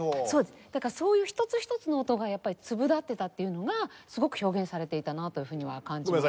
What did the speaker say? だからそういう一つ一つの音が粒立ってたっていうのがすごく表現されていたなというふうには感じました。